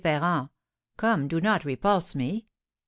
Ferrand! Come, do not repulse me.